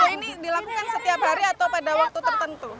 kalau ini dilakukan setiap hari atau pada waktu tertentu